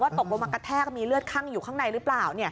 ว่าตกบนกระแทกมีเลือดขั้งอยู่ข้างในหรือเปล่า